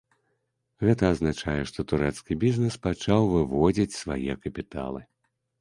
Гэта азначае, што турэцкі бізнэс пачаў выводзіць свае капіталы.